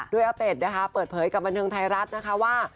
โดยอาเป็ดนะคะเปิดเผยกับบันเทิงไทยรัฐนะคะว่า